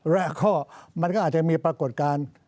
แรกข้อมันก็อาจจะมีปรากฏการณ์